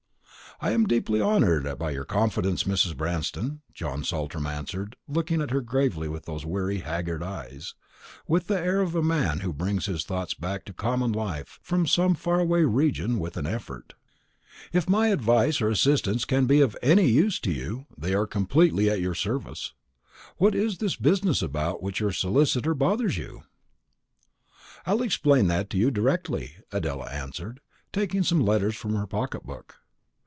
"I am deeply honoured by your confidence, Mrs. Branston," John Saltram answered, looking at her gravely with those weary haggard eyes, with the air of a man who brings his thoughts back to common life from some far away region with an effort. "If my advice or assistance can be of any use to you, they are completely at your service. What is this business about which your solicitor bothers you?" "I'll explain that to you directly," Adela answered, taking some letters from her pocket book.